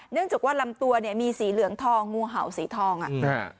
เนื่องจากว่าลำตัวเนี่ยมีสีเหลืองทองงูเห่าสีทองอ่ะอ่า